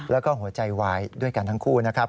แล้วก็หัวใจวายด้วยกันทั้งคู่นะครับ